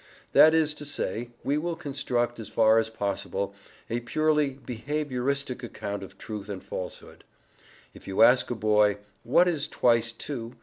That is to say, we will construct, as far as possible, a purely behaviouristic account of truth and falsehood. If you ask a boy "What is twice two?"